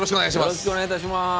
よろしくお願いします。